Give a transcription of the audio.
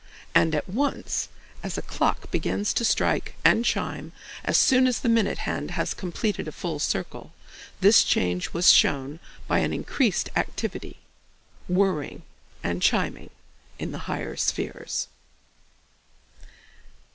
And at once, as a clock begins to strike and chime as soon as the minute hand has completed a full circle, this change was shown by an increased activity, whirring, and chiming in the higher spheres.